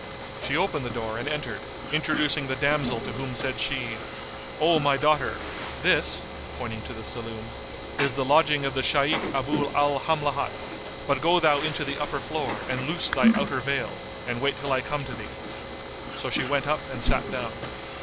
She opened the door and entered, introducing the damsel to whom said she, "O my daughter, this (pointing to the saloon) is the lodging of the Shaykh Abu al Hamlat; but go thou into the upper floor and loose thy outer veil and wait till I come to thee." So she went up and sat down.